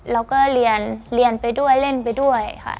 เราก็เรียนเรียนไปด้วยเล่นไปด้วยค่ะ